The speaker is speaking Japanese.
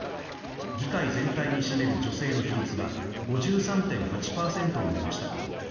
議会全体に占める女性の比率は５３．８％になりました。